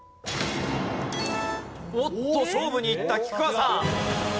おっと勝負にいった菊川さん！